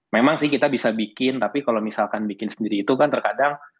memang sih kita bisa bikin tapi kalau misalkan bikin sendiri itu kan terkadang